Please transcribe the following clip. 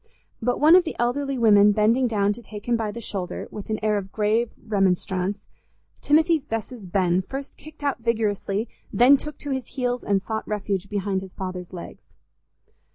But one of the elderly women bending down to take him by the shoulder, with an air of grave remonstrance, Timothy's Bess's Ben first kicked out vigorously, then took to his heels and sought refuge behind his father's legs.